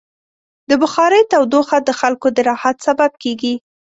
د بخارۍ تودوخه د خلکو د راحت سبب کېږي.